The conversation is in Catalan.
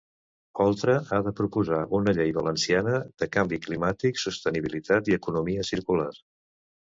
Oltra ha de proposar una llei valenciana de canvi climàtic, sostenibilitat i economia circular.